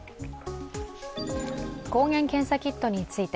抗原検査キットについて。